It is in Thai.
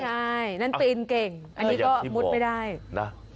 ใช่นั่นปีนเก่งอันนี้ก็มุดไม่ได้นะ